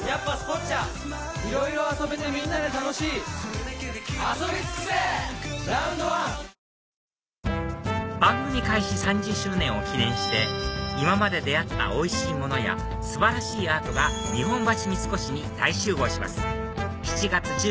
人の往来が増える中、懸念されるのは、番組開始３０周年を記念して今まで出会ったおいしいものや素晴らしいアートが日本橋三越に大集合します